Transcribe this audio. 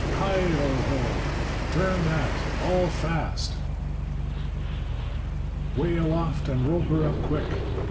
Heigh o oh! 'Turn that!' 'All fast!' ''Way aloft and roll her up quick!'